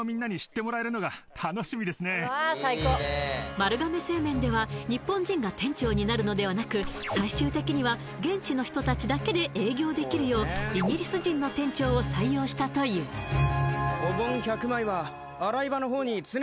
丸亀製麺では日本人が店長になるのではなく最終的には現地の人達だけで営業できるようイギリス人の店長を採用したというそうそう